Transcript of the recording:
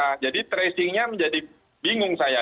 bisa jadi tracing nya menjadi bingung saya